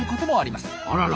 あらら。